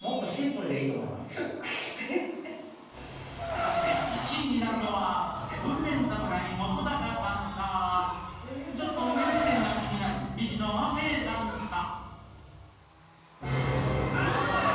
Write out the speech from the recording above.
果たして１位になるのは７ＭＥＮ侍・本高さんかちょっと上目線が気になるミキの亜生さんか。